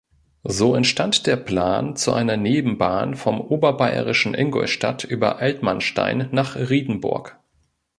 So entstand der Plan zu einer Nebenbahn vom oberbayerischen Ingolstadt über Altmannstein nach Riedenburg.